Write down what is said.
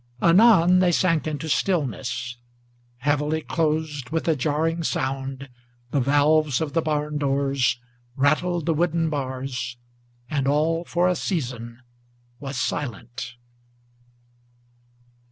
Anon they sank into stillness; Heavily closed, with a jarring sound, the valves of the barn doors, Rattled the wooden bars, and all for a season was silent.